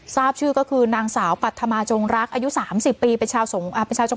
ทราบชื่อก็คือนางสาวปัดธมาจงรักอายุสามสิบปีเป็นชาวสงอ่า